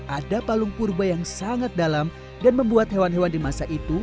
ada palung purba yang sangat dalam dan membuat hewan hewan di masa itu